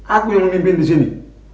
aku yang memimpin disini